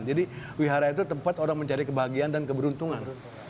jadi wihara itu tempat orang mencari kebahagiaan dan keberuntungan